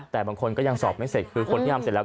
แต่บางคนก็ยังสอบไม่เสร็จคือคนที่ทำเสร็จแล้ว